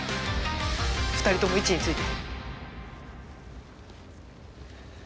２人とも位置について。